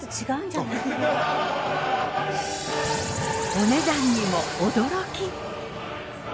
お値段にも驚き。